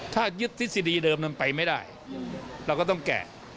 ถ้ายึดทฤษฎีเดิมนั้นไปไม่ได้เราก็ต้องแกะ